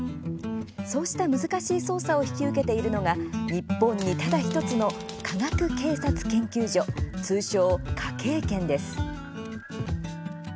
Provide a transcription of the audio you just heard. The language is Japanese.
そうした難しい捜査を引き受けているのが日本にただ１つの科学警察研究所通称、科警研です。